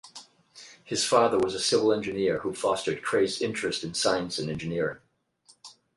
His father was a civil engineer who fostered Cray's interest in science and engineering.